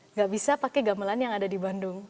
nggak bisa pakai gamelan yang ada di bandung